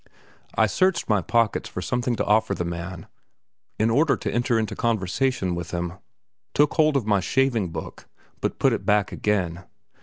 I searched my pockets for something to offer the man in order to enter into conversation with him, took hold of my shaving book, but put it back again.